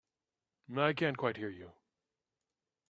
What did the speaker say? I can't quite hear you.